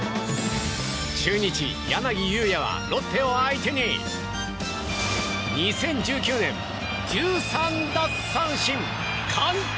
中日、柳裕也はロッテを相手に２０１９年、１３奪三振完投。